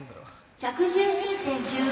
１１２．９６。